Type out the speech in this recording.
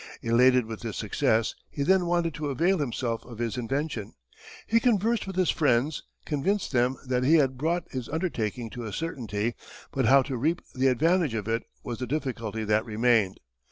Elated with this success, he then wanted to avail himself of his invention. He conversed with his friends, convinced them that he had brought his undertaking to a certainty; but how to reap the advantage of it was the difficulty that remained.